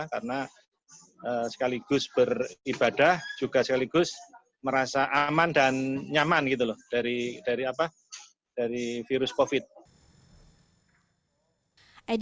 karena sekaligus beribadah juga sekaligus merasa aman dan nyaman gitu loh dari virus covid